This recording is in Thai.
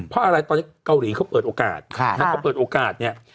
เพราะอะไรตอนนี้เกาหลีเขาเปิดโอกาสแล้วก็เปิดโอกาสเนี่ย